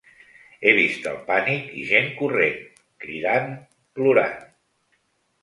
He vist el pànic i gent corrent, cridant, plorant.